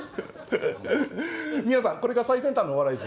皆さんこれが最先端のお笑いです。